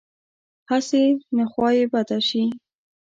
هسې نه خوا یې بده شي.